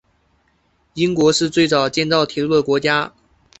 英国是最早建造铁路的国家。